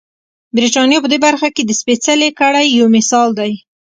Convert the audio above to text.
برېټانیا په دې برخه کې د سپېڅلې کړۍ یو مثال دی.